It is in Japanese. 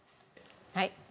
はい。